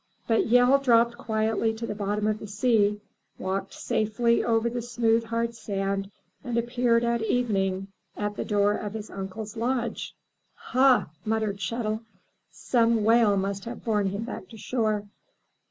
But Yehl dropped quietly to the bottom of the sea, walked safely over the smooth, hard sand and appeared at evening in the door of his uncle's lodge! "Hah!" muttered Chet'l. "Some whale must have borne him back to shore.